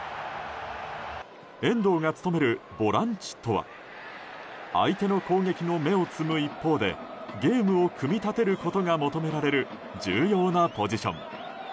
遠藤が務めるボランチとは相手の攻撃の芽を摘む一方でゲームを組み立てることが求められる重要なポジション。